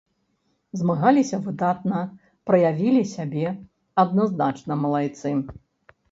Змагаліся, выдатна праявілі сябе, адназначна малайцы.